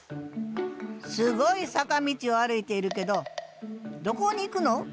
すごい坂道を歩いているけどどこに行くの？